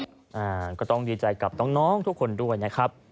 อ่าก็ต้องดีใจกับน้องทุกคนด้วยนะครับ